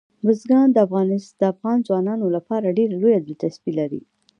بزګان د افغان ځوانانو لپاره ډېره لویه دلچسپي لري.